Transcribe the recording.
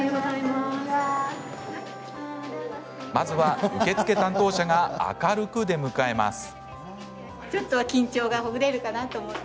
まずは受付担当者が明るく出迎えます。